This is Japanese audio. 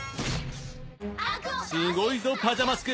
すごいぞパジャマスク